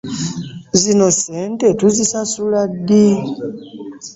Zino ssente tuzisasula ddi?